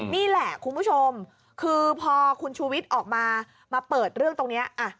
นี่แหละคุณผู้ชมคือพอคุณชูวิทย์ออกมามาเปิดเรื่องตรงนี้